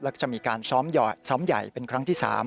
แล้วก็จะมีการซ้อมใหญ่เป็นครั้งที่๓